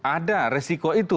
ada resiko itu